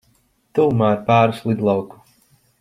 Tuvumā ir pāris lidlauku.